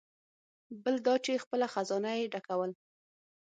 بل دا چې خپله خزانه یې ډکول.